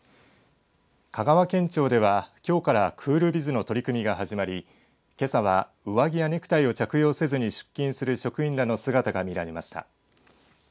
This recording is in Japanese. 香川県庁では、きょうからクールビズの取り組みが始まりけさは上着やネクタイを着用せずに出勤する職員らの姿が見られました。